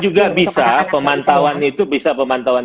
dan juga bisa pemantauan itu bisa pemantauan